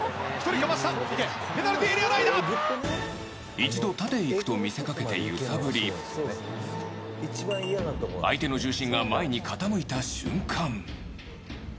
一度、縦へ行くと見せかけて揺さぶり相手の重心が前に傾いた瞬間。